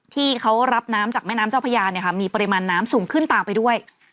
ที่เขารับน้ำจากแม่น้ำเจ้าพญามีปริมาณน้ำสูงขึ้นตามไปด้วย